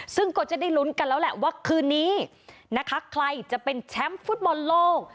ซึ่งก็จะได้ลุ้นกันแล้วแหละว่าคืนนี้นะคะใครจะเป็นแชมป์ฟุตบอลโลก